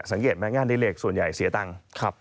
สังเกตไหมงานนี้เลขส่วนใหญ่เสียตังค์